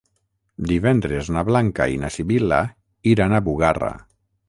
Divendres na Blanca i na Sibil·la iran a Bugarra.